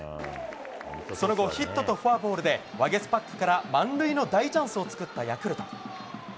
その後、ヒットとフォアボールでワゲスパックから満塁の大チャンスを作ったヤクルト。